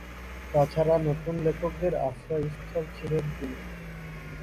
তাছাড়া নতুন লেখকদের আশ্রয়স্থল ছিলেন তিনি।